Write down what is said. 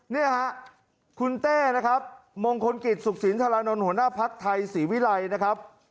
เนี่ยฮะคุณเต้นะครับมงคลกิจสุขสินธารานนท์หัวหน้าภักดิ์ไทยศรีวิรัยนะครับ